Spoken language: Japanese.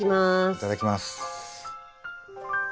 いただきます。